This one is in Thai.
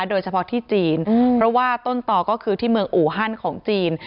โดยเฉพาะที่จีนเพราะว่าต้นต่อก็คือที่เมืองอูฮันของจีน